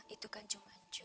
itu kan cuman jus